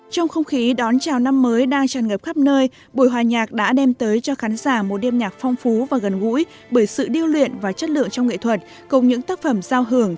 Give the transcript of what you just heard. trong không khí đón chào năm mới đang tràn ngập khắp nơi buổi hòa nhạc đã đem tới cho khán giả một đêm nhạc phong phú và gần gũi bởi sự điêu luyện và chất lượng trong nghệ thuật cùng những tác phẩm giao hưởng